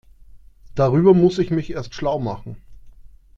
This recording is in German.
Darüber muss ich mich erst schlau machen.